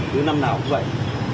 từ năm nào cũng vậy